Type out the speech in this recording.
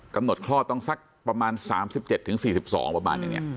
คลอดต้องสักประมาณ๓๗๔๒ประมาณอย่างนี้